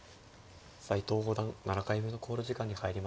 斎藤五段７回目の考慮時間に入りました。